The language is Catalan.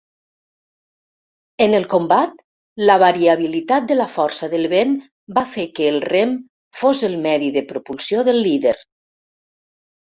En el combat, la variabilitat de la força del vent va fer que el rem fos el medi de propulsió del lider.